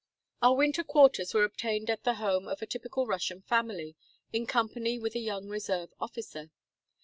Our winter quarters were obtained at the home of a typical Russian family, in company with a young reserve officer.